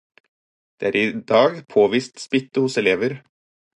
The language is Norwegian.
Det er i dag påvist smitte hos elever